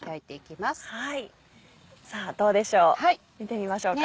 さぁどうでしょう見てみましょうか。